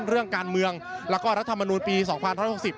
เรื่องการเมืองและก็รัฐมนตรีปี